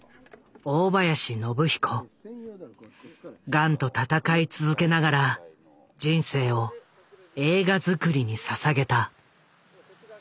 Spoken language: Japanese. ガンと闘い続けながら人生を映画作りに捧げた。